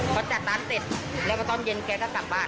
พอจัดร้านเสร็จแล้วก็ตอนเย็นแกก็กลับบ้าน